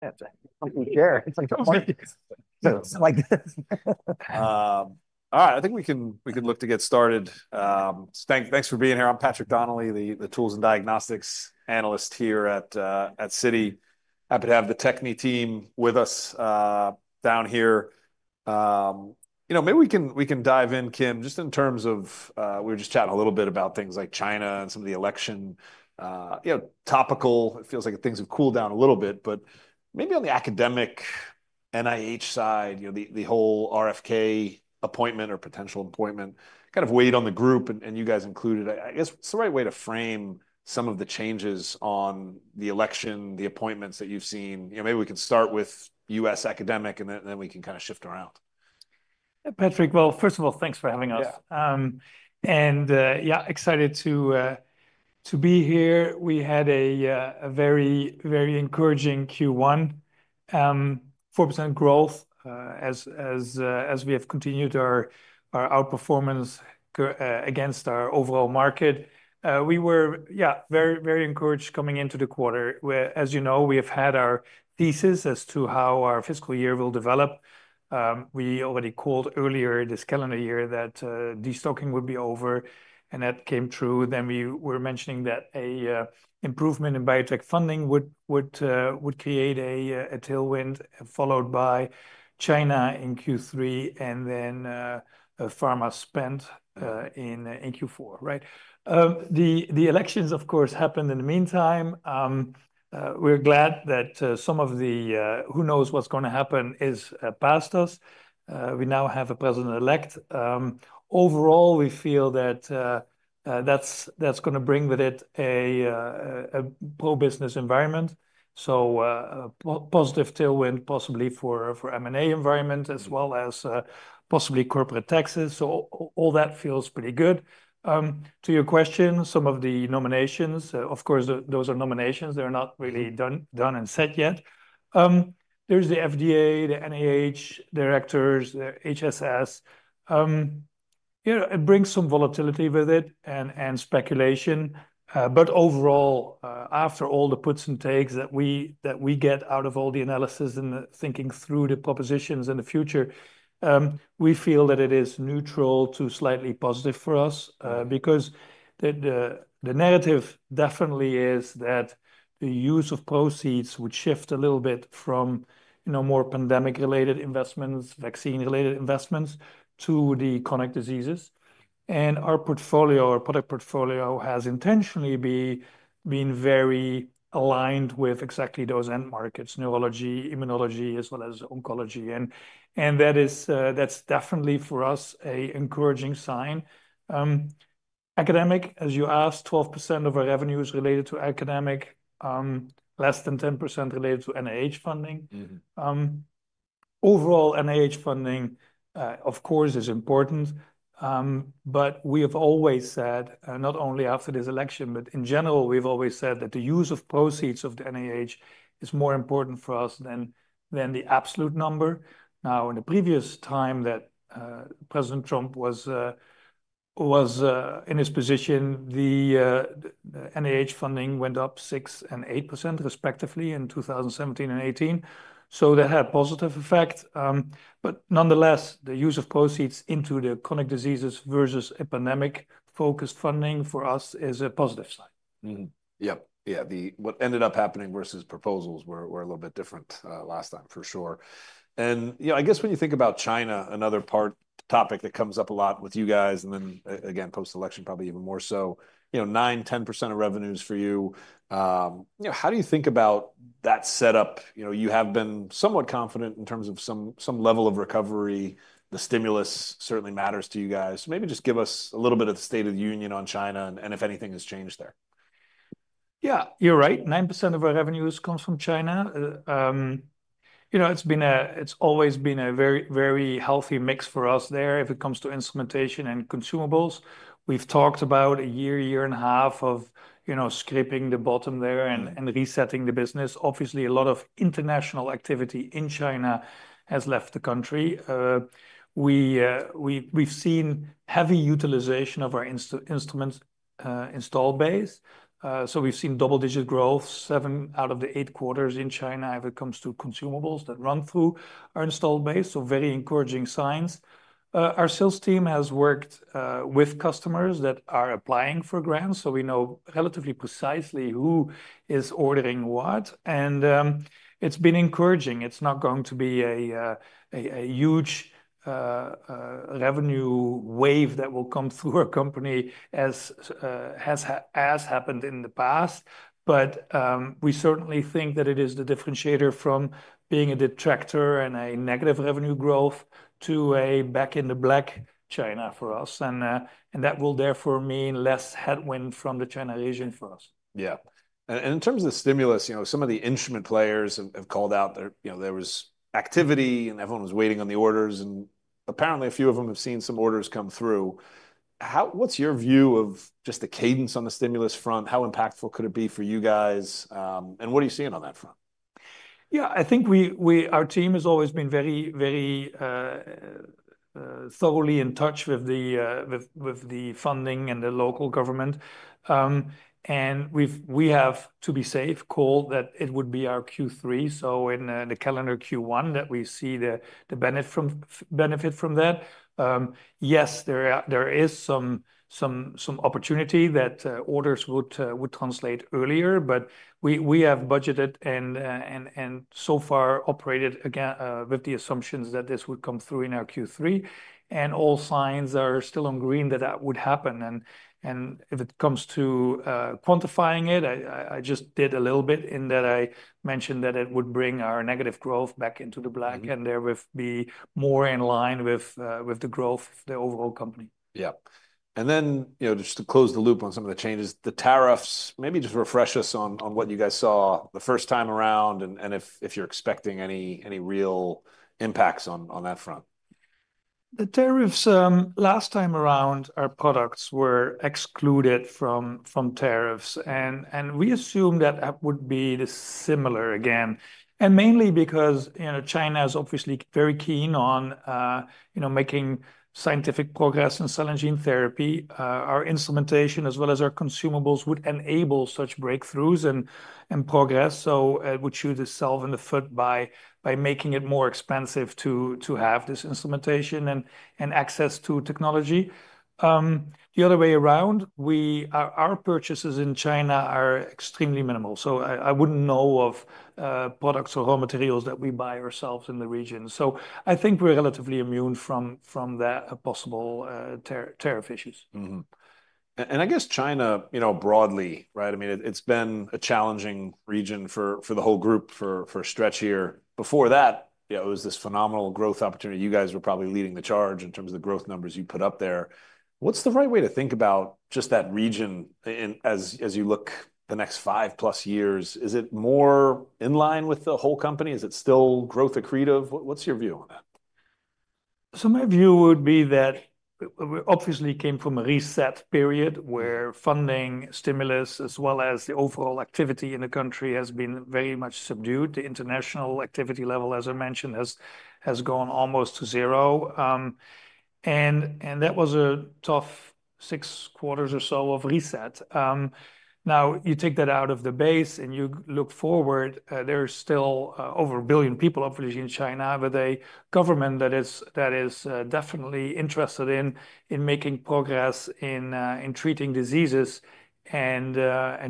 Thank you, Jared. It's like the. All right, I think we can look to get started. Thanks for being here. I'm Patrick Donnelly, the tools and diagnostics analyst here at Citi. Happy to have the Bio-Techne team with us down here. You know, maybe we can dive in, Kim, just in terms of we were just chatting a little bit about things like China and some of the election topical. It feels like things have cooled down a little bit, but maybe on the academic NIH side, the whole RFK appointment or potential appointment kind of weighed on the group, and you guys included it. I guess it's the right way to frame some of the changes on the election, the appointments that you've seen. Maybe we can start with U.S. academic, and then we can kind of shift around. Patrick, well, first of all, thanks for having us. And yeah, excited to be here. We had a very, very encouraging Q1, 4% growth as we have continued our outperformance against our overall market. We were, yeah, very, very encouraged coming into the quarter. As you know, we have had our thesis as to how our fiscal year will develop. We already called earlier this calendar year that destocking would be over, and that came true. Then we were mentioning that an improvement in biotech funding would create a tailwind, followed by China in Q3, and then pharma spend in Q4, right? The elections, of course, happened in the meantime. We're glad that some of the who knows what's going to happen is past us. We now have a president-elect. Overall, we feel that that's going to bring with it a pro-business environment. So positive tailwind, possibly for M&A environment, as well as possibly corporate taxes. So all that feels pretty good. To your question, some of the nominations, of course, those are nominations. They're not really done and set yet. There's the FDA, the NIH directors, the HHS. It brings some volatility with it and speculation. But overall, after all the puts and takes that we get out of all the analysis and thinking through the propositions in the future, we feel that it is neutral to slightly positive for us because the narrative definitely is that the use of proceeds would shift a little bit from more pandemic-related investments, vaccine-related investments, to the chronic diseases. And our portfolio, our product portfolio has intentionally been very aligned with exactly those end markets, neurology, immunology, as well as oncology. And that's definitely for us an encouraging sign. Academic, as you asked, 12% of our revenue is related to academic, less than 10% related to NIH funding. Overall, NIH funding, of course, is important. But we have always said, not only after this election, but in general, we've always said that the use of proceeds of the NIH is more important for us than the absolute number. Now, in the previous time that President Trump was in his position, the NIH funding went up 6% and 8% respectively in 2017 and 2018. So that had a positive effect. But nonetheless, the use of proceeds into the chronic diseases versus epidemic-focused funding for us is a positive sign. Yep. Yeah. What ended up happening versus proposals were a little bit different last time, for sure. And I guess when you think about China, another topic that comes up a lot with you guys, and then again, post-election, probably even more so, 9%, 10% of revenues for you. How do you think about that setup? You have been somewhat confident in terms of some level of recovery. The stimulus certainly matters to you guys. Maybe just give us a little bit of the state of the union on China and if anything has changed there. Yeah, you're right. 9% of our revenues comes from China. It's always been a very, very healthy mix for us there if it comes to instrumentation and consumables. We've talked about a year, year and a half of scraping the bottom there and resetting the business. Obviously, a lot of international activity in China has left the country. We've seen heavy utilization of our instruments installed base, so we've seen double-digit growth, seven out of the eight quarters in China if it comes to consumables that run through our installed base, so very encouraging signs. Our sales team has worked with customers that are applying for grants, so we know relatively precisely who is ordering what, and it's been encouraging. It's not going to be a huge revenue wave that will come through our company as has happened in the past. But we certainly think that it is the differentiator from being a detractor and a negative revenue growth to a back-in-the-black China for us. And that will therefore mean less headwind from the China region for us. Yeah. And in terms of the stimulus, some of the instrument players have called out there was activity and everyone was waiting on the orders. And apparently, a few of them have seen some orders come through. What's your view of just the cadence on the stimulus front? How impactful could it be for you guys? And what are you seeing on that front? Yeah, I think our team has always been very, very thoroughly in touch with the funding and the local government. And we have, to be safe, called that it would be our Q3. So in the calendar Q1 that we see the benefit from that. Yes, there is some opportunity that orders would translate earlier, but we have budgeted and so far operated with the assumptions that this would come through in our Q3. And all signs are still on green that that would happen. And if it comes to quantifying it, I just did a little bit in that I mentioned that it would bring our negative growth back into the black and there would be more in line with the growth of the overall company. Yeah. And then just to close the loop on some of the changes, the tariffs, maybe just refresh us on what you guys saw the first time around and if you're expecting any real impacts on that front? The tariffs last time around, our products were excluded from tariffs. And we assume that would be similar again. And mainly because China is obviously very keen on making scientific progress in cell and gene therapy. Our instrumentation, as well as our consumables, would enable such breakthroughs and progress. So it would shoot itself in the foot by making it more expensive to have this instrumentation and access to technology. The other way around, our purchases in China are extremely minimal. So I wouldn't know of products or raw materials that we buy ourselves in the region. So I think we're relatively immune from that possible tariff issues. I guess China, broadly, right? I mean, it's been a challenging region for the whole group for a stretch here. Before that, it was this phenomenal growth opportunity. You guys were probably leading the charge in terms of the growth numbers you put up there. What's the right way to think about just that region as you look the next five plus years? Is it more in line with the whole company? Is it still growth accretive? What's your view on that? So my view would be that it obviously came from a reset period where funding stimulus, as well as the overall activity in the country, has been very much subdued. The international activity level, as I mentioned, has gone almost to zero. And that was a tough six quarters or so of reset. Now, you take that out of the base and you look forward, there's still over a billion people, obviously, in China, but a government that is definitely interested in making progress in treating diseases and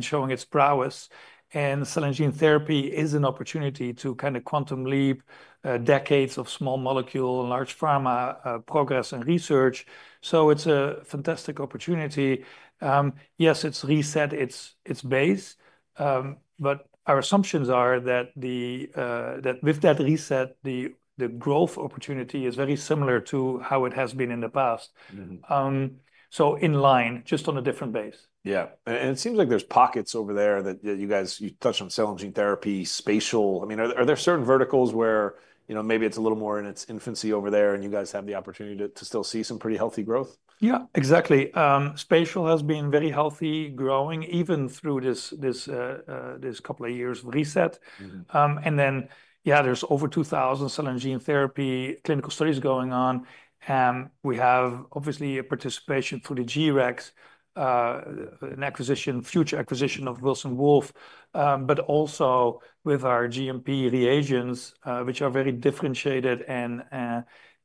showing its prowess. And cell and gene therapy is an opportunity to kind of quantum leap decades of small molecule and large pharma progress and research. So it's a fantastic opportunity. Yes, it's reset its base, but our assumptions are that with that reset, the growth opportunity is very similar to how it has been in the past. So in line, just on a different base. Yeah. And it seems like there's pockets over there that you guys touched on cell and gene therapy, spatial. I mean, are there certain verticals where maybe it's a little more in its infancy over there and you guys have the opportunity to still see some pretty healthy growth? Yeah, exactly. Spatial has been very healthy growing even through this couple of years of reset. And then, yeah, there's over 2,000 cell and gene therapy clinical studies going on. And we have obviously a participation through the G-Rex, an acquisition, future acquisition of Wilson Wolf, but also with our GMP reagents, which are very differentiated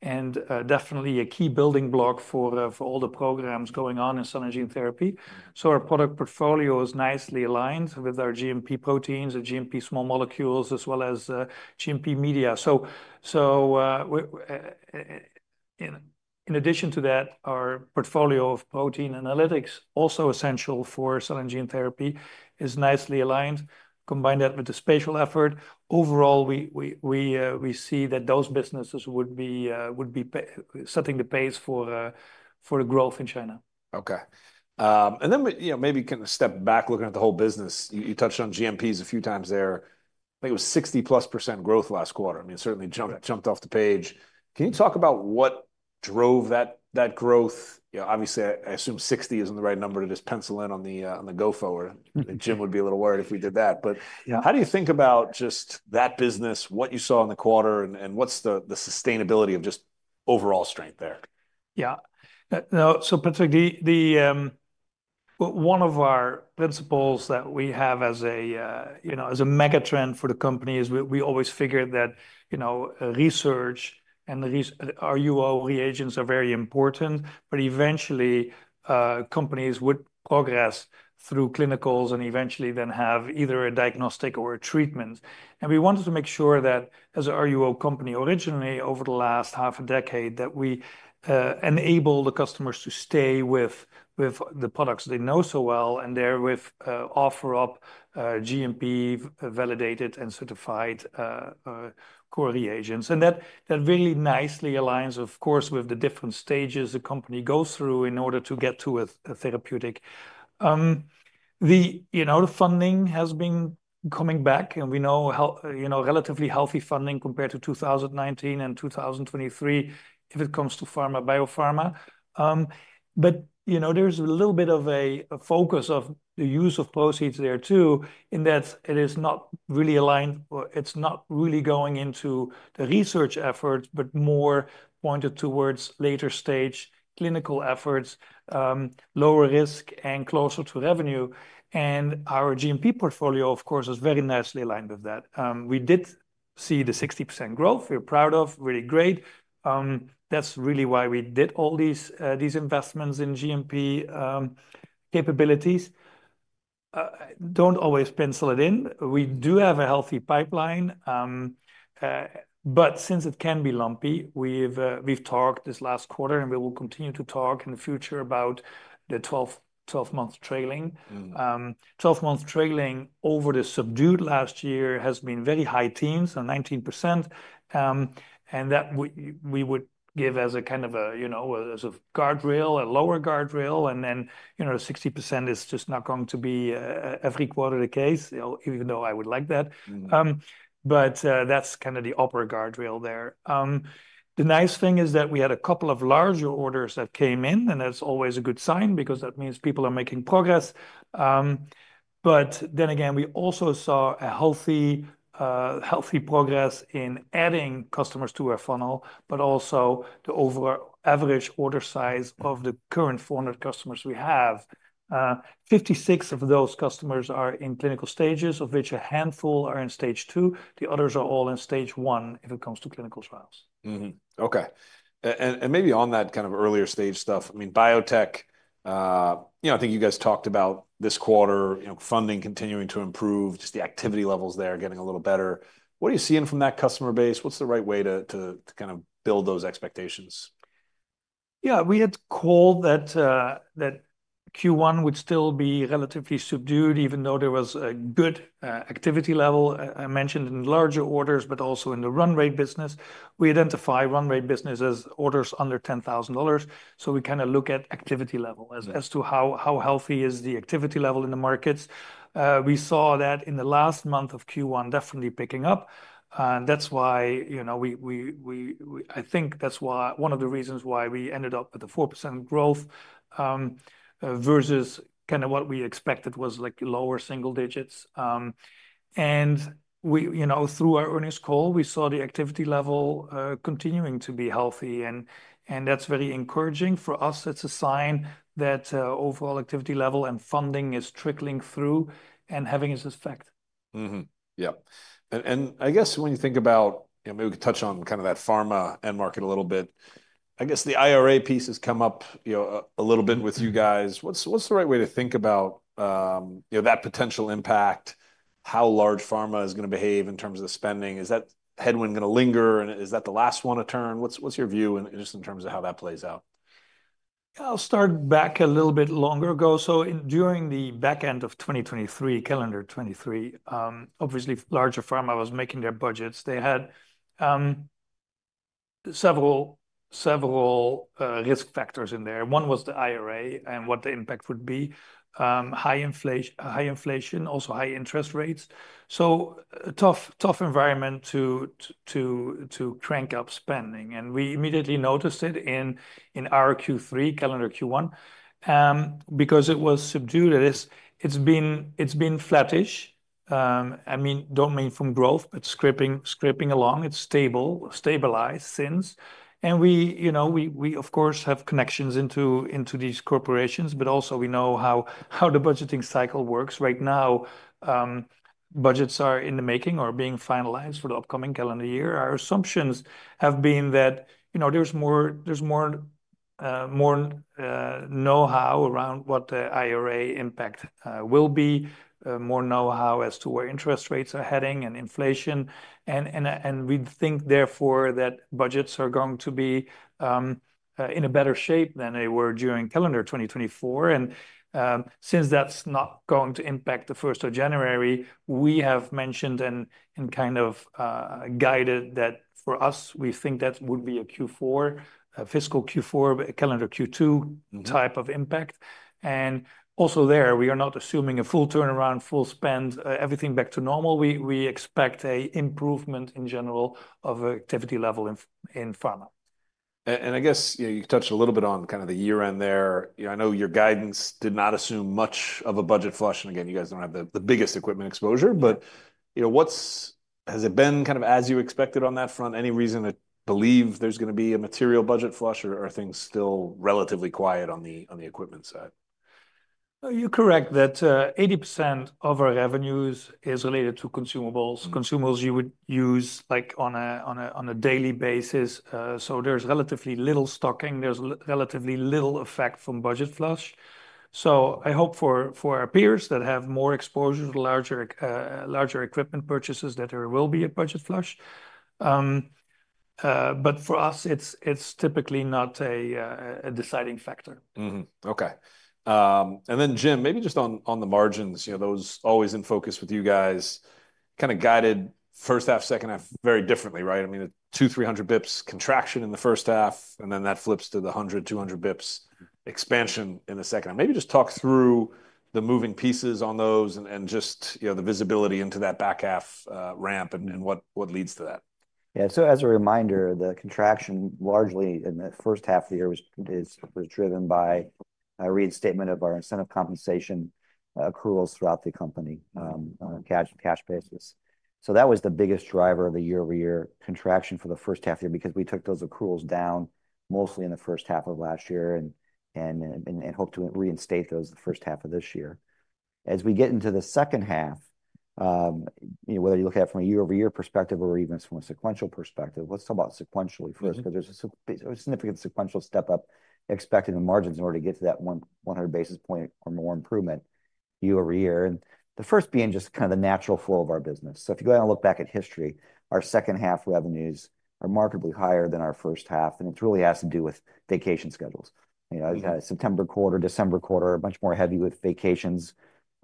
and definitely a key building block for all the programs going on in cell and gene therapy. So our product portfolio is nicely aligned with our GMP proteins and GMP small molecules, as well as GMP media. So in addition to that, our portfolio of protein analytics, also essential for cell and gene therapy, is nicely aligned. Combine that with the spatial effort. Overall, we see that those businesses would be setting the pace for the growth in China. Okay. And then, maybe kind of step back, looking at the whole business. You touched on GMPs a few times there. I think it was 60+% growth last quarter. I mean, certainly jumped off the page. Can you talk about what drove that growth? Obviously, I assume 60 isn't the right number to just pencil in on the go forward. Jim would be a little worried if we did that. But how do you think about just that business, what you saw in the quarter, and what's the sustainability of just overall strength there? Yeah. So Patrick, one of our principles that we have as a mega trend for the company is we always figured that research and RUO reagents are very important, but eventually, companies would progress through clinicals and eventually then have either a diagnostic or a treatment. And we wanted to make sure that as an RUO company originally over the last half a decade, that we enable the customers to stay with the products they know so well and therewith offer up GMP validated and certified core reagents. And that really nicely aligns, of course, with the different stages the company goes through in order to get to a therapeutic. The funding has been coming back, and we know relatively healthy funding compared to 2019 and 2023 if it comes to pharma, biopharma. There's a little bit of a focus of the use of proceeds there too in that it is not really aligned, it's not really going into the research efforts, but more pointed towards later stage clinical efforts, lower risk, and closer to revenue. And our GMP portfolio, of course, is very nicely aligned with that. We did see the 60% growth we're proud of, really great. That's really why we did all these investments in GMP capabilities. Don't always pencil it in. We do have a healthy pipeline. But since it can be lumpy, we've talked this last quarter, and we will continue to talk in the future about the 12-month trailing over the subdued last year has been very high teens, so 19%. And that we would give as a kind of a guardrail, a lower guardrail. And then 60% is just not going to be every quarter the case, even though I would like that. But that's kind of the upper guardrail there. The nice thing is that we had a couple of larger orders that came in, and that's always a good sign because that means people are making progress. But then again, we also saw a healthy progress in adding customers to our funnel, but also the overall average order size of the current 400 customers we have. 56 of those customers are in clinical stages, of which a handful are in stage two. The others are all in stage one if it comes to clinical trials. Okay, and maybe on that kind of earlier stage stuff, I mean, biotech, I think you guys talked about this quarter, funding continuing to improve, just the activity levels there getting a little better. What are you seeing from that customer base? What's the right way to kind of build those expectations? Yeah, we had called that Q1 would still be relatively subdued, even though there was a good activity level I mentioned in larger orders, but also in the run rate business. We identify run rate business as orders under $10,000. So we kind of look at activity level as to how healthy is the activity level in the markets. We saw that in the last month of Q1 definitely picking up. And that's why I think that's one of the reasons why we ended up with a 4% growth versus kind of what we expected was lower single digits. And through our earnings call, we saw the activity level continuing to be healthy. And that's very encouraging for us. It's a sign that overall activity level and funding is trickling through and having its effect. Yeah. And I guess when you think about, maybe we could touch on kind of that pharma end market a little bit. I guess the IRA piece has come up a little bit with you guys. What's the right way to think about that potential impact, how large pharma is going to behave in terms of the spending? Is that headwind going to linger? And is that the last one to turn? What's your view just in terms of how that plays out? I'll start back a little bit longer ago. So during the back end of 2023, calendar 2023, obviously, larger pharma was making their budgets. They had several risk factors in there. One was the IRA and what the impact would be. High inflation, also high interest rates. So a tough environment to crank up spending, and we immediately noticed it in our Q3, calendar Q1, because it was subdued. It's been flattish. I mean, don't mean from growth, but scraping along. It's stable, stabilized since, and we, of course, have connections into these corporations, but also we know how the budgeting cycle works. Right now, budgets are in the making or being finalized for the upcoming calendar year. Our assumptions have been that there's more know-how around what the IRA impact will be, more know-how as to where interest rates are heading and inflation. We think therefore that budgets are going to be in a better shape than they were during calendar 2024. Since that's not going to impact the 1st of January, we have mentioned and kind of guided that for us, we think that would be a Q4, fiscal Q4, calendar Q2 type of impact. Also there, we are not assuming a full turnaround, full spend, everything back to normal. We expect an improvement in general of activity level in pharma. And I guess you touched a little bit on kind of the year-end there. I know your guidance did not assume much of a budget flush. And again, you guys don't have the biggest equipment exposure. But has it been kind of as you expected on that front? Any reason to believe there's going to be a material budget flush or are things still relatively quiet on the equipment side? You're correct that 80% of our revenues is related to consumables, consumables you would use on a daily basis. So there's relatively little stocking. There's relatively little effect from budget flush. So I hope for our peers that have more exposure to larger equipment purchases that there will be a budget flush. But for us, it's typically not a deciding factor. Okay. And then, Jim, maybe just on the margins, those always in focus with you guys, kind of guided first half, second half very differently, right? I mean, 200-300 basis points contraction in the first half, and then that flips to the 100-200 basis points expansion in the second half. Maybe just talk through the moving pieces on those and just the visibility into that back half ramp and what leads to that. Yeah. So as a reminder, the contraction largely in the first half of the year was driven by a reinstatement of our incentive compensation accruals throughout the company on a cash basis. So that was the biggest driver of the year-over-year contraction for the first half year because we took those accruals down mostly in the first half of last year and hope to reinstate those the first half of this year. As we get into the second half, whether you look at it from a year-over-year perspective or even from a sequential perspective, let's talk about sequentially first because there's a significant sequential step up expected in the margins in order to get to that 100 basis point or more improvement year-over-year, and the first being just kind of the natural flow of our business. So if you go ahead and look back at history, our second half revenues are markedly higher than our first half. And it really has to do with vacation schedules. September quarter, December quarter, much more heavy with vacations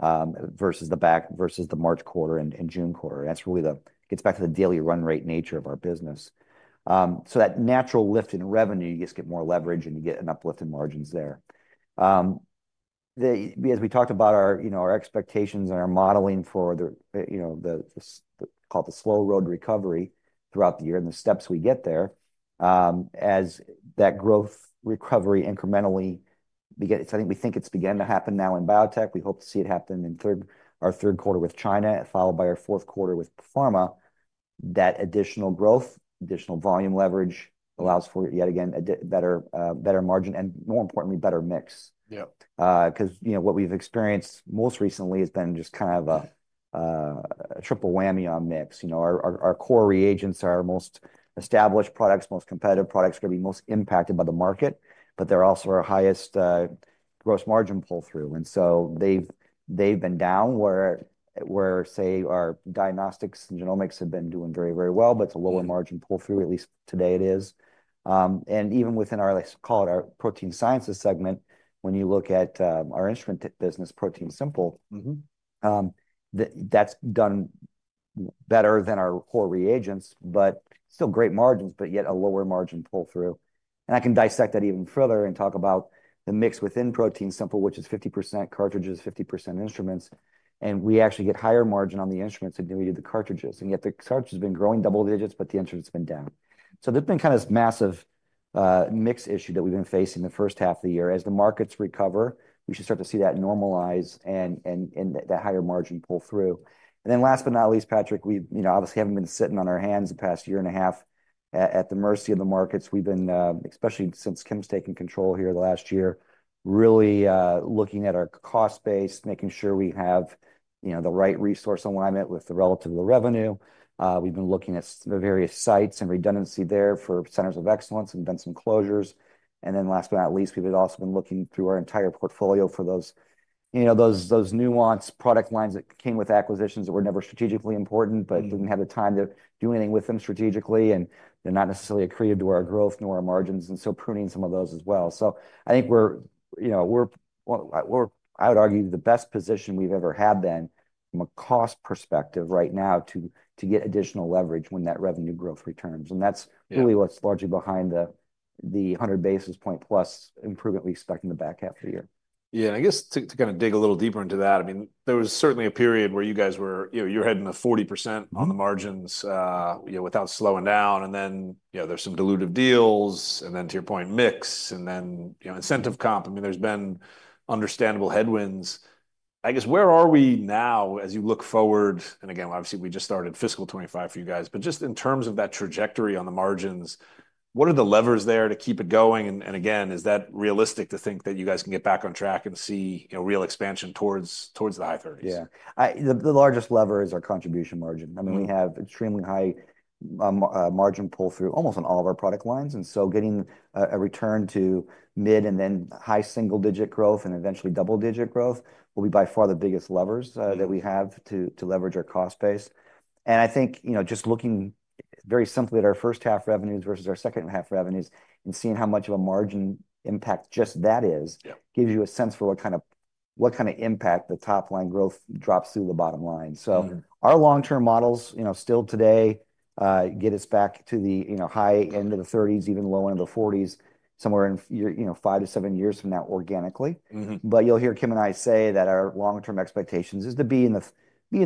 versus the March quarter and June quarter. That's really the gets back to the daily run rate nature of our business. So that natural lift in revenue, you just get more leverage and you get an uplift in margins there. As we talked about our expectations and our modeling for the call it the slow-road recovery throughout the year and the steps we get there as that growth recovery incrementally begins, I think we think it's began to happen now in biotech. We hope to see it happen in our third quarter with China, followed by our fourth quarter with pharma. That additional growth, additional volume leverage allows for yet again a better margin and more importantly, better mix. Because what we've experienced most recently has been just kind of a triple whammy on mix. Our core reagents are our most established products, most competitive products are going to be most impacted by the market, but they're also our highest gross margin pull-through. And so they've been down where, say, our diagnostics and genomics have been doing very, very well, but it's a lower margin pull-through, at least today it is. And even within our, let's call it our protein sciences segment, when you look at our instrument business, ProteinSimple, that's done better than our core reagents, but still great margins, but yet a lower margin pull-through. And I can dissect that even further and talk about the mix within ProteinSimple, which is 50% cartridges, 50% instruments. And we actually get higher margin on the instruments than we did the cartridges. And yet the cartridges have been growing double digits, but the instruments have been down. So there's been kind of this massive mix issue that we've been facing the first half of the year. As the markets recover, we should start to see that normalize and that higher margin pull-through. And then last but not least, Patrick, we obviously haven't been sitting on our hands the past year and a half at the mercy of the markets. We've been, especially since Kim's taken control here the last year, really looking at our cost base, making sure we have the right resource alignment with the relative revenue. We've been looking at various sites and redundancy there for centers of excellence and done some closures. And then, last but not least, we've also been looking through our entire portfolio for those nuanced product lines that came with acquisitions that were never strategically important, but didn't have the time to do anything with them strategically. And they're not necessarily accretive to our growth nor our margins. And so, pruning some of those as well. So, I think we're, I would argue, the best position we've ever had then from a cost perspective right now to get additional leverage when that revenue growth returns. And that's really what's largely behind the 100 basis point plus improvement we expect in the back half of the year. Yeah. And I guess to kind of dig a little deeper into that, I mean, there was certainly a period where you guys were, you're heading to 40% on the margins without slowing down. And then there's some dilutive deals. And then to your point, mix. And then incentive comp. I mean, there's been understandable headwinds. I guess where are we now as you look forward? And again, obviously, we just started fiscal 2025 for you guys. But just in terms of that trajectory on the margins, what are the levers there to keep it going? And again, is that realistic to think that you guys can get back on track and see real expansion towards the high 30s? Yeah. The largest lever is our contribution margin. I mean, we have extremely high margin pull-through almost on all of our product lines. And so getting a return to mid and then high single-digit growth and eventually double-digit growth will be by far the biggest levers that we have to leverage our cost base. And I think just looking very simply at our first half revenues versus our second half revenues and seeing how much of a margin impact just that is gives you a sense for what kind of impact the top line growth drops through the bottom line. So our long-term models still today get us back to the high end of the 30s, even low end of the 40s, somewhere in five to seven years from now organically. But you'll hear Kim and I say that our long-term expectations is to be in the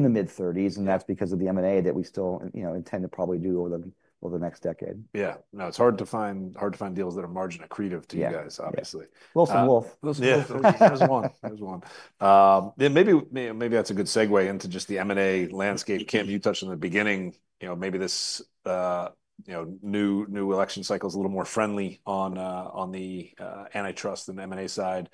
mid-30s. That's because of the M&A that we still intend to probably do over the next decade. Yeah. No, it's hard to find deals that are margin accretive to you guys, obviously. Wilson Wolf. Wilson Wolf. There's one. There's one. Yeah, maybe that's a good segue into just the M&A landscape. Kim, you touched on the beginning. Maybe this new election cycle is a little more friendly on the antitrust and M&A side.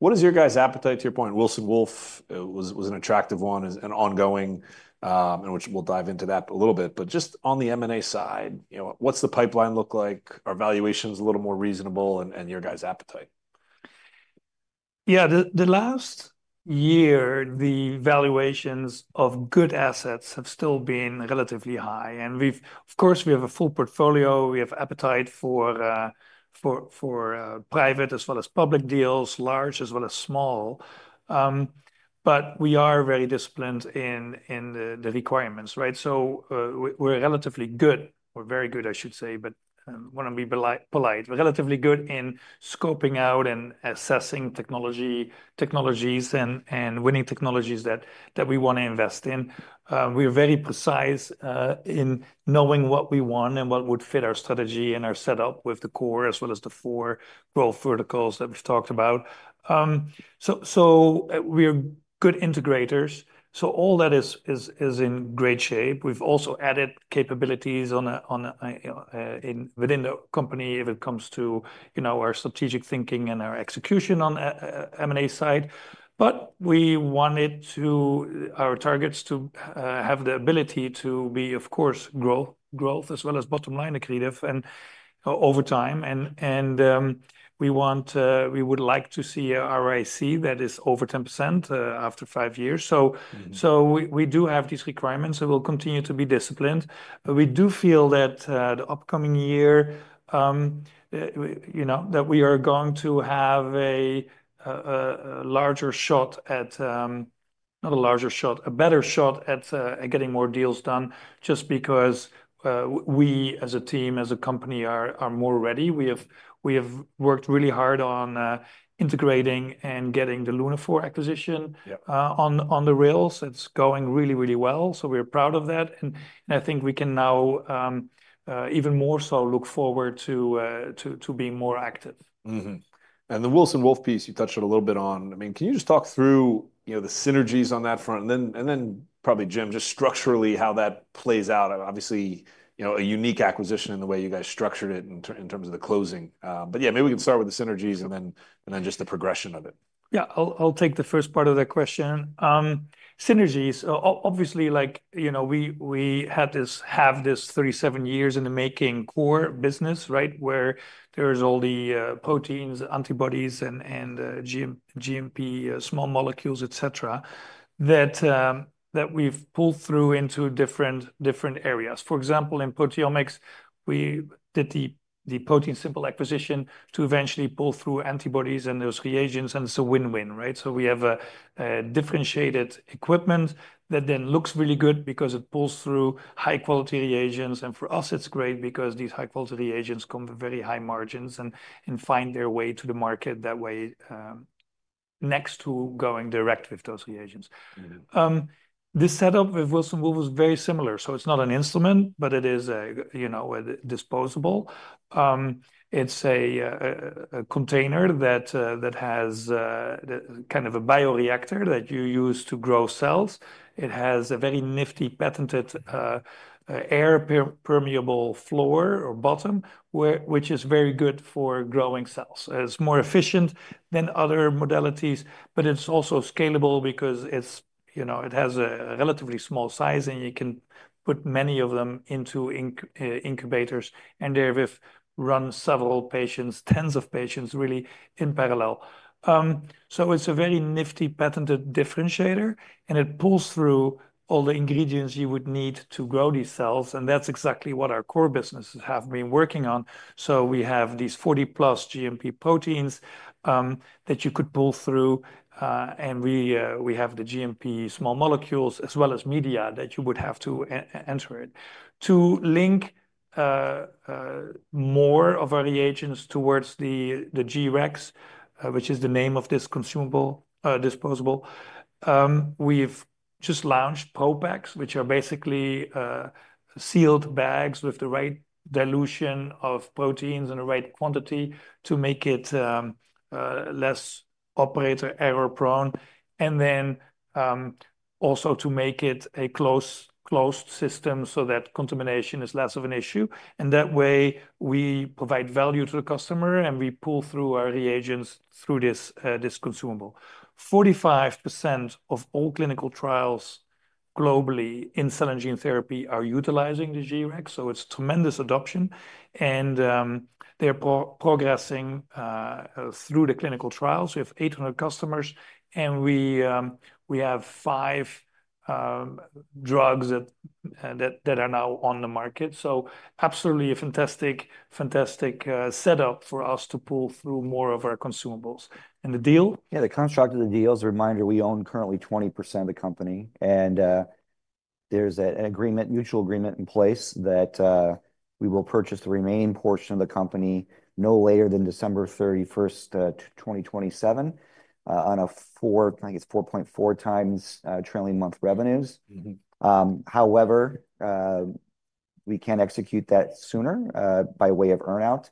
What is your guys' appetite, to your point? Wilson Wolf was an attractive one, an ongoing, in which we'll dive into that a little bit. But just on the M&A side, what's the pipeline look like? Are valuations a little more reasonable and your guys' appetite? Yeah, the last year, the valuations of good assets have still been relatively high. And of course, we have a full portfolio. We have appetite for private as well as public deals, large as well as small. But we are very disciplined in the requirements, right? So we're relatively good. We're very good, I should say, but when we be polite, we're relatively good in scoping out and assessing technologies and winning technologies that we want to invest in. We are very precise in knowing what we want and what would fit our strategy and our setup with the core as well as the four growth verticals that we've talked about. So we're good integrators. So all that is in great shape. We've also added capabilities within the company if it comes to our strategic thinking and our execution on M&A side. But we wanted our targets to have the ability to be, of course, growth as well as bottom line accretive over time. And we would like to see ROIC that is over 10% after five years. So we do have these requirements. So we'll continue to be disciplined. But we do feel that the upcoming year that we are going to have a larger shot at, not a larger shot, a better shot at getting more deals done just because we as a team, as a company are more ready. We have worked really hard on integrating and getting the Lunaphore acquisition on the rails. It's going really, really well. So we're proud of that. And I think we can now even more so look forward to being more active. And the Wilson Wolf piece, you touched on a little bit on. I mean, can you just talk through the synergies on that front? And then probably, Jim, just structurally how that plays out. Obviously, a unique acquisition in the way you guys structured it in terms of the closing. But yeah, maybe we can start with the synergies and then just the progression of it. Yeah, I'll take the first part of that question. Synergies, obviously, we have this 37 years in the making core business, right, where there's all the proteins, antibodies, and GMP, small molecules, et cetera, that we've pulled through into different areas. For example, in proteomics, we did the ProteinSimple acquisition to eventually pull through antibodies and those reagents. And it's a win-win, right? So we have a differentiated equipment that then looks really good because it pulls through high-quality reagents. And for us, it's great because these high-quality reagents come with very high margins and find their way to the market that way next to going direct with those reagents. The setup with Wilson Wolf is very similar. So it's not an instrument, but it is a disposable. It's a container that has kind of a bioreactor that you use to grow cells. It has a very nifty patented air permeable floor or bottom, which is very good for growing cells. It's more efficient than other modalities, but it's also scalable because it has a relatively small size and you can put many of them into incubators. There we've run several patients, tens of patients, really, in parallel. It's a very nifty patented differentiator. It pulls through all the ingredients you would need to grow these cells. That's exactly what our core businesses have been working on. We have these 40-plus GMP proteins that you could pull through. We have the GMP small molecules as well as media that you would have to enter it to link more of our reagents towards the G-Rex, which is the name of this consumable disposable. We've just launched ProPaks, which are basically sealed bags with the right dilution of proteins and the right quantity to make it less operator error prone. And then also to make it a closed system so that contamination is less of an issue. And that way, we provide value to the customer and we pull through our reagents through this consumable. 45% of all clinical trials globally in cell and gene therapy are utilizing the G-Rex. So it's tremendous adoption. And they're progressing through the clinical trials. We have 800 customers. And we have five drugs that are now on the market. So absolutely a fantastic setup for us to pull through more of our consumables. And the deal? Yeah, the construct of the deal is a reminder. We own currently 20% of the company. There's an agreement, mutual agreement in place that we will purchase the remaining portion of the company no later than December 31st, 2027 on a 4, I think it's 4.4x trailing twelve-month revenues. However, we can execute that sooner by way of earnout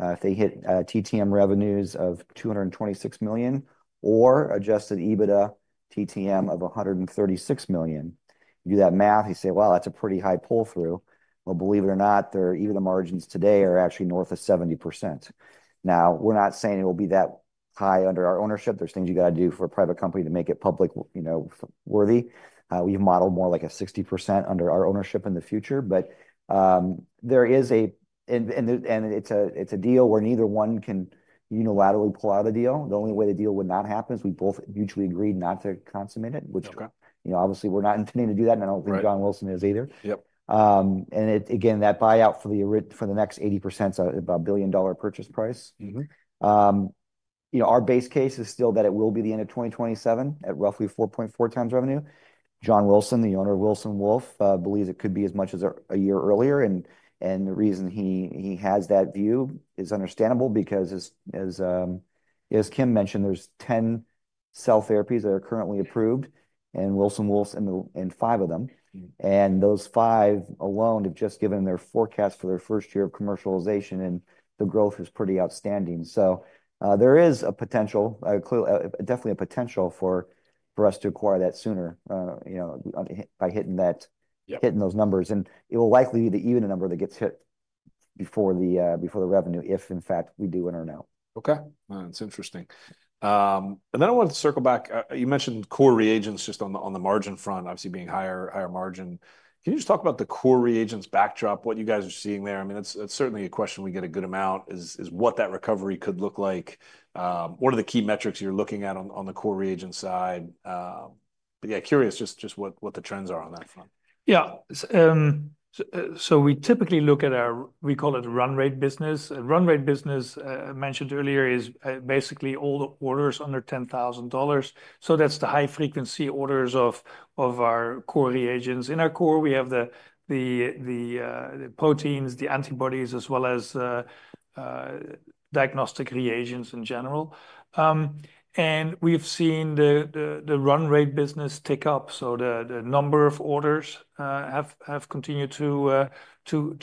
if they hit TTM revenues of $226 million or adjusted EBITDA TTM of $136 million. You do that math, you say, well, that's a pretty high pull-through. Well, believe it or not, their EBITDA margins today are actually north of 70%. Now, we're not saying it will be that high under our ownership. There's things you got to do for a private company to make it public worthy. We've modeled more like a 60% under our ownership in the future. But there is a, and it's a deal where neither one can unilaterally pull out a deal. The only way the deal would not happen is we both mutually agreed not to consummate it, which obviously we're not intending to do that. And I don't think John Wilson is either. And again, that buyout for the next 80% is about a $1 billion purchase price. Our base case is still that it will be the end of 2027 at roughly 4.4 times revenue. John Wilson, the owner of Wilson Wolf, believes it could be as much as a year earlier. And the reason he has that view is understandable because, as Kim mentioned, there's 10 cell therapies that are currently approved and Wilson Wolf in five of them. And those five alone have just given their forecast for their first year of commercialization. And the growth is pretty outstanding. So there is a potential, definitely a potential for us to acquire that sooner by hitting those numbers. And it will likely be the even number that gets hit before the revenue if, in fact, we do an earnout. Okay. That's interesting, and then I wanted to circle back. You mentioned core reagents just on the margin front, obviously being higher margin. Can you just talk about the core reagents backdrop, what you guys are seeing there? I mean, that's certainly a question we get a good amount is what that recovery could look like. What are the key metrics you're looking at on the core reagent side, but yeah, curious just what the trends are on that front. Yeah. So we typically look at our, we call it a run rate business. Run rate business, mentioned earlier, is basically all the orders under $10,000. So that's the high-frequency orders of our core reagents. In our core, we have the proteins, the antibodies, as well as diagnostic reagents in general. And we've seen the run rate business tick up. So the number of orders have continued to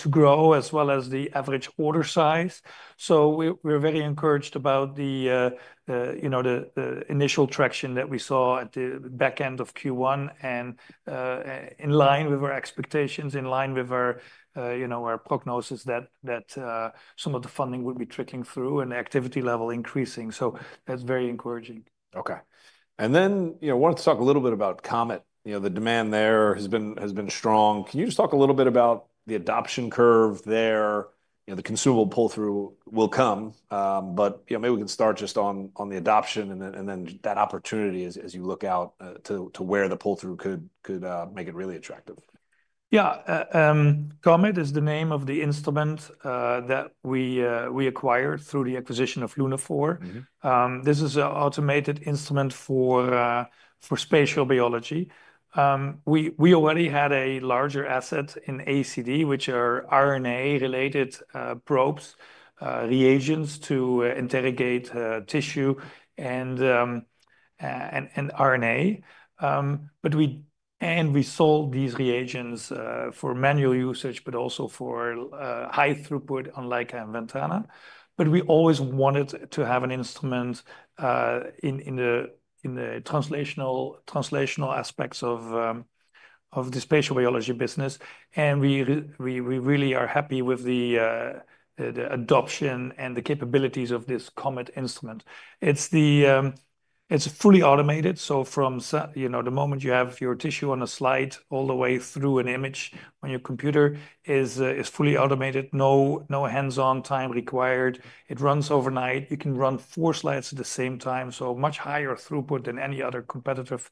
grow as well as the average order size. So we're very encouraged about the initial traction that we saw at the back end of Q1 and in line with our expectations, in line with our prognosis that some of the funding would be trickling through and the activity level increasing. So that's very encouraging. Okay. And then I wanted to talk a little bit about COMET. The demand there has been strong. Can you just talk a little bit about the adoption curve there? The consumable pull-through will come. But maybe we can start just on the adoption and then that opportunity as you look out to where the pull-through could make it really attractive. Yeah. COMET is the name of the instrument that we acquired through the acquisition of Lunaphore. This is an automated instrument for spatial biology. We already had a larger asset in ACD, which are RNA-related probes, reagents to interrogate tissue and RNA. And we sold these reagents for manual usage, but also for high throughput on Leica and Ventana. But we always wanted to have an instrument in the translational aspects of the spatial biology business. And we really are happy with the adoption and the capabilities of this COMET instrument. It's fully automated. So from the moment you have your tissue on a slide all the way through an image on your computer is fully automated. No hands-on time required. It runs overnight. You can run four slides at the same time. So much higher throughput than any other competitive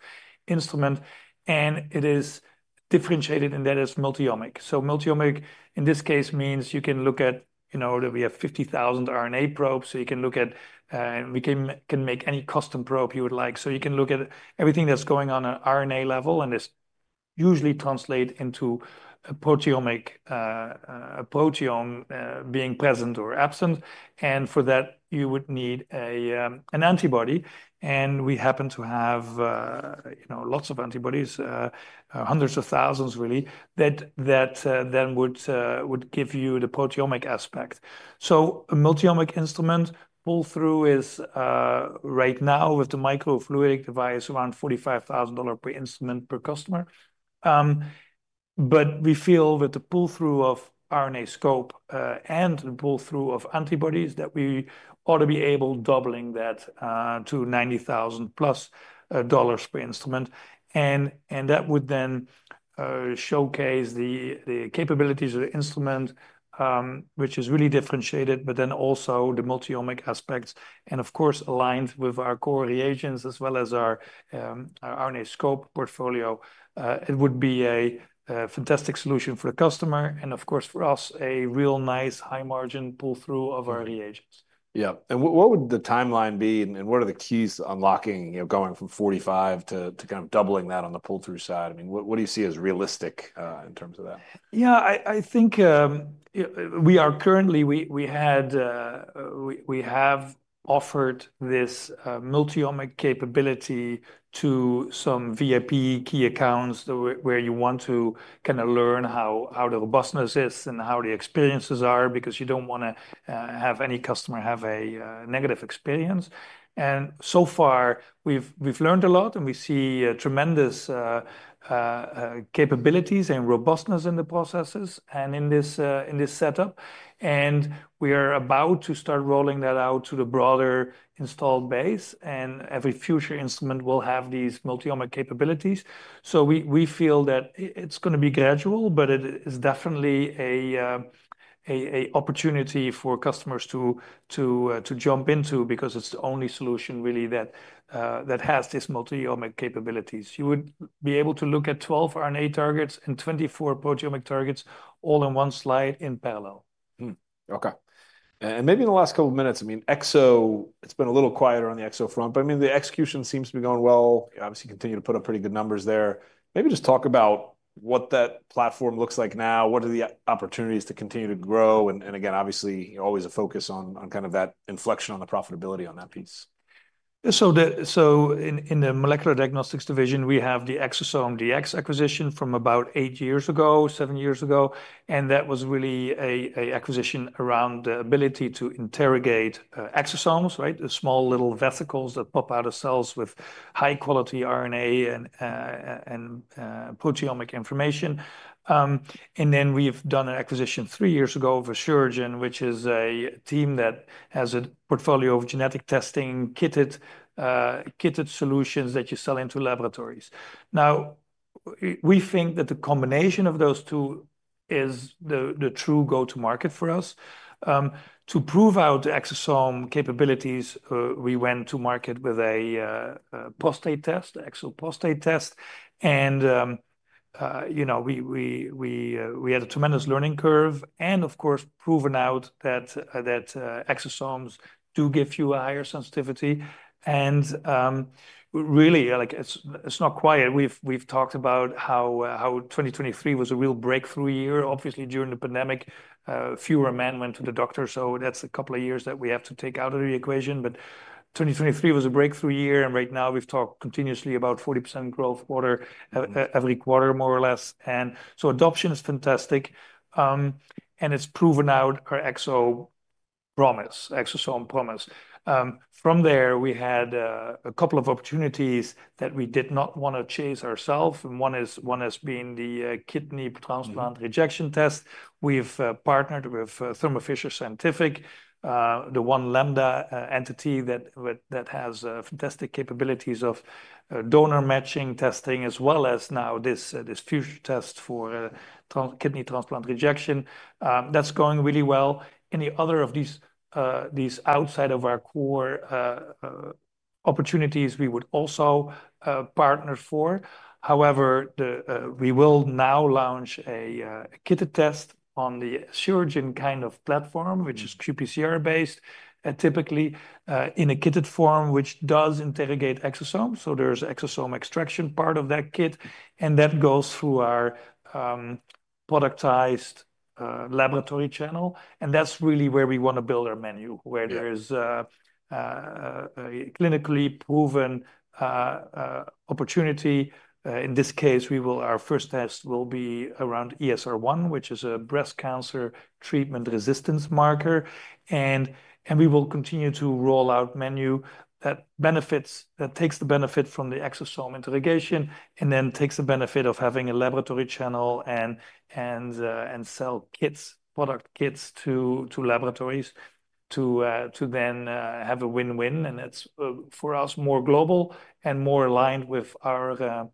instrument. And it is differentiated in that it's multiomic. So multiomic in this case means you can look at that we have 50,000 RNA probes. So you can look at and we can make any custom probe you would like. So you can look at everything that's going on an RNA level. And this usually translates into a proteome being present or absent. And for that, you would need an antibody. And we happen to have lots of antibodies, hundreds of thousands, really, that then would give you the proteomic aspect. So a multiomic instrument pull-through is right now with the microfluidic device around $45,000 per instrument per customer. But we feel with the pull-through of RNAscope and the pull-through of antibodies that we ought to be able to double that to $90,000 plus dollars per instrument. That would then showcase the capabilities of the instrument, which is really differentiated, but then also the multiomic aspects. Of course, aligned with our core reagents as well as our RNAscope portfolio, it would be a fantastic solution for the customer. Of course, for us, a real nice high-margin pull-through of our reagents. Yeah. And what would the timeline be? And what are the keys to unlocking going from 45 to kind of doubling that on the pull-through side? I mean, what do you see as realistic in terms of that? Yeah, I think we are currently. We have offered this multiomic capability to some VIP key accounts where you want to kind of learn how the robustness is and how the experiences are because you don't want to have any customer have a negative experience. And so far, we've learned a lot. And we see tremendous capabilities and robustness in the processes and in this setup. And we are about to start rolling that out to the broader installed base. And every future instrument will have these multiomic capabilities. So we feel that it's going to be gradual, but it is definitely an opportunity for customers to jump into because it's the only solution really that has these multiomic capabilities. You would be able to look at 12 RNA targets and 24 proteomic targets all in one slide in parallel. Okay, and maybe in the last couple of minutes, I mean, Exo, it's been a little quieter on the Exo front, but I mean, the execution seems to be going well. Obviously, continue to put up pretty good numbers there. Maybe just talk about what that platform looks like now. What are the opportunities to continue to grow? And again, obviously, always a focus on kind of that inflection on the profitability on that piece. So in the molecular diagnostics division, we have the ExoDx acquisition from about eight years ago, seven years ago. And that was really an acquisition around the ability to interrogate exosomes, right? The small little vesicles that pop out of cells with high-quality RNA and proteomic information. And then we've done an acquisition three years ago for Asuragen, which is a team that has a portfolio of genetic testing kitted solutions that you sell into laboratories. Now, we think that the combination of those two is the true go-to-market for us. To prove out the exosome capabilities, we went to market with a prostate test, ExoDx Prostate test. And we had a tremendous learning curve and, of course, proven out that exosomes do give you a higher sensitivity. And really, it's not quiet. We've talked about how 2023 was a real breakthrough year. Obviously, during the pandemic, fewer men went to the doctor. So that's a couple of years that we have to take out of the equation. But 2023 was a breakthrough year. And right now, we've talked continuously about 40% growth quarter, every quarter, more or less. And so adoption is fantastic. And it's proven out our ExoDx promise, exosome promise. From there, we had a couple of opportunities that we did not want to chase ourselves. And one has been the kidney transplant rejection test. We've partnered with Thermo Fisher Scientific, the One Lambda entity that has fantastic capabilities of donor matching testing, as well as now this future test for kidney transplant rejection. That's going really well. Any other of these outside of our core opportunities, we would also partner for. However, we will now launch a kitted test on the Asuragen kind of platform, which is qPCR-based, typically in a kitted form, which does interrogate exosomes. So there's an exosome extraction part of that kit. And that goes through our productized laboratory channel. And that's really where we want to build our menu, where there is a clinically proven opportunity. In this case, our first test will be around ESR1, which is a breast cancer treatment resistance marker. And we will continue to roll out a menu that takes the benefit from the exosome interrogation and then takes the benefit of having a laboratory channel and sell kits, product kits to laboratories to then have a win-win. And that's for us more global and more aligned with our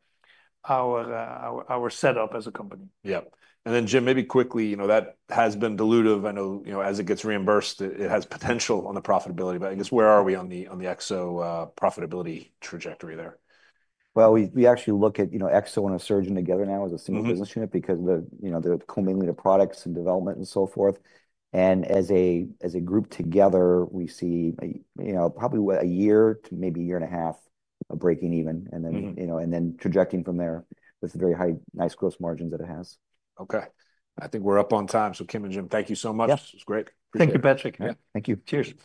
setup as a company. Yeah, and then, Jim, maybe quickly, that has been dilutive. I know as it gets reimbursed, it has potential on the profitability. But I guess where are we on the Exo profitability trajectory there? We actually look at Exo and Asuragen together now as a single business unit because they're consolidating their products and development and so forth. And as a group together, we see probably a year to maybe a year and a half of breaking even. And then projecting from there with very high, nice gross margins that it has. Okay. I think we're up on time. So Kim and Jim, thank you so much. This was great. Thank you, Patrick. Yeah. Thank you. Cheers.